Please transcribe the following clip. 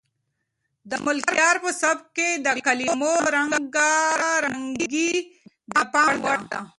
د ملکیار په سبک کې د کلمو رنګارنګي د پام وړ ده.